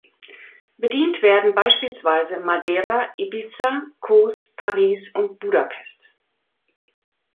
Bedient werden beispielsweise Madeira, Ibiza, Kos, Paris und Budapest.